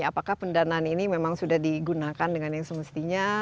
apakah pendanaan ini memang sudah digunakan dengan yang semestinya